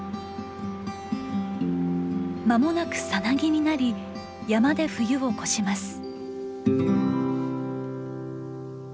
間もなくさなぎになり山で冬を越します。